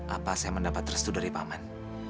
apa saya mendapat restu dari paman